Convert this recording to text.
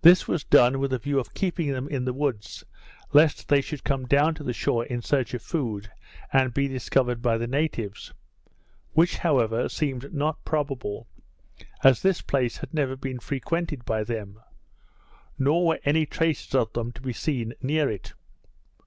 This was done with a view of keeping them in the woods, lest they should come down to the shore in search of food, and be discovered by the natives; which, however, seemed not probable, as this place had never been frequented by them; nor were any traces of them to be seen near it.